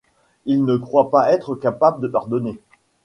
Il ne croit pas être capable de pardonner.